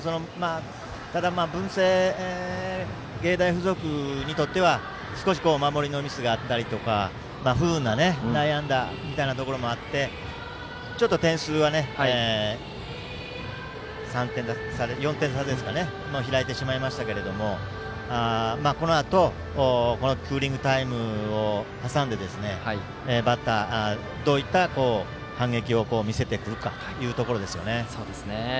ただ文星芸大付属にとっては少し守りのミスがあったりとか不運な内野安打みたいなところがあって点数は４点差と、ちょっと開いてしまいましたけどこのあとクーリングタイムを挟んでどういった反撃を見せていけるかというところですね。